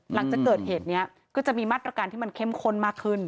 หลังจากเกิดเหตุนี้ก็จะมีมาตรการที่มันเข้มข้นมากขึ้น